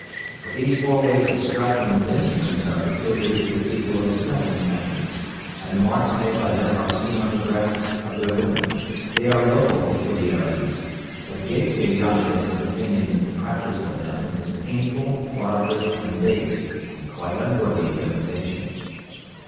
But these four ways of striking with instruments are peculiar to the people of the southern countries, and the marks caused by them are seen on the breasts of their women. They are local peculiarities, but Vatsyayana is of opinion that the practice of them is painful, barbarous, and base, and quite unworthy of imitation.